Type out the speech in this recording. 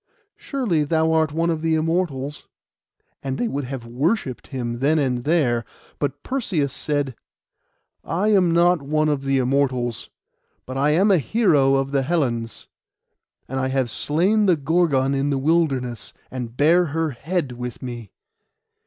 Surely thou art one of the Immortals;' and they would have worshipped him then and there; but Perseus said— 'I am not one of the Immortals; but I am a hero of the Hellens. And I have slain the Gorgon in the wilderness, and bear her head with me.